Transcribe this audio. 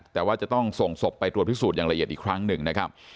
แต่ว่าจะต้องส่งศพไปตรวจพิสูจน์อย่างละเอียดอีกครั้งหนึ่งนะครับ